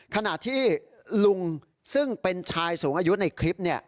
ขณะที่ลุงซึ่งเป็นชายสูงอายุในคลิป